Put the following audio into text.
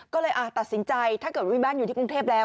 ก็เลยตัดสินใจถ้าเกิดว่าบ้านอยู่ที่กรุงเทพแล้ว